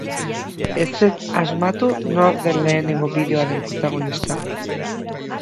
Ezetz asmatu nor den lehenengo bideoaren protagonista?